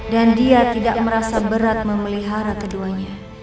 dan dia tidak merasa berat memelihara keduanya